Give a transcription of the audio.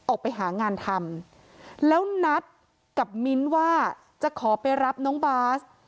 ออกไปหางานทำแล้วนัดกับมิ้นท์ว่าจะขอไปรับน้องบาส